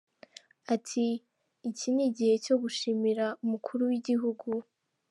Ati: “Iki ni igihe cyo gushimira umukuru w’igihugu.